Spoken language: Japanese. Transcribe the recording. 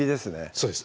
そうです